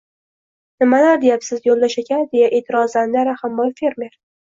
– Nimalar deyapsiz, Yo‘ldosh aka! – deya e’tirozlandi Rahimboy fermer